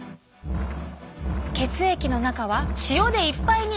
血液の中は塩でいっぱいに！